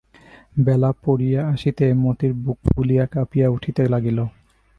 বেলা পড়িয়া আসিতে মতির বুক ফুলিয়া কাঁপিয়া উঠিতে লাগিল।